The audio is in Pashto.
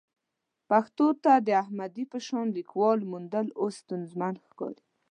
پښتو ته د احمدي په شان لیکوال موندل اوس ستونزمن ښکاري.